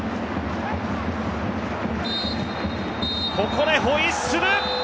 ここでホイッスル。